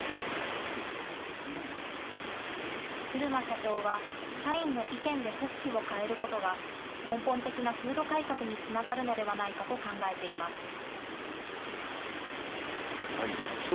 漆間社長は、社員の意見で組織を変えることが、根本的な風土改革につながるのではないかと考えています。